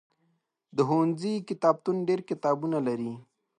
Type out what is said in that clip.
د ښوونځي کتابتون ډېر کتابونه لري.